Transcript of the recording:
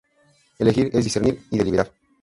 Elegir es discernir y deliberar.